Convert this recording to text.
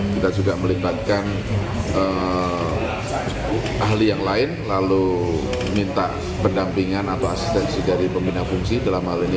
kita juga melibatkan ahli yang lain lalu minta pendampingan atau asistensi dari pembina fungsi dalam hal ini